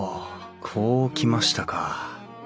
こうきましたか。